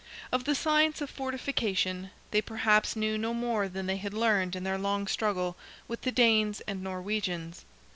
Of the science of fortification they perhaps knew no more than they had learned in their long struggle with the Danes and Norwegians.